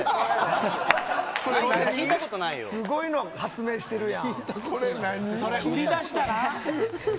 すごいの発明してるやん。